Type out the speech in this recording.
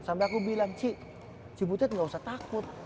sampai aku bilang cik cibutet nggak usah takut